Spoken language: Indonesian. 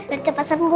biar cepat sembuh